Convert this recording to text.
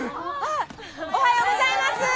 おはようございます。